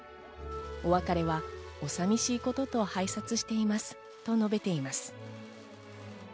お別れはお寂しいことと拝察していますと述べています。